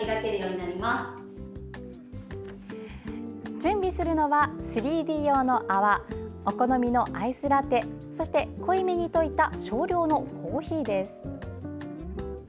準備するのは３Ｄ用の泡お好みのアイスラテ濃いめに溶いた少量のコーヒーです。